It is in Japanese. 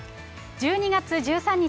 １２月１３日